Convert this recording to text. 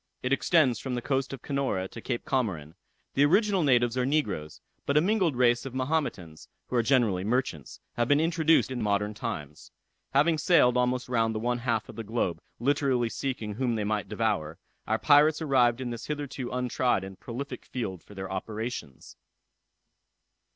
It extends from the coast of Canora to Cape Comorin. The original natives are negroes; but a mingled race of Mahometans, who are generally merchants, have been introduced in modern times. Having sailed almost round the one half of the globe, literally seeking whom they might devour, our pirates arrived in this hitherto untried and prolific field for their operations.